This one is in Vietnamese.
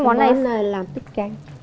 món này làm tiết canh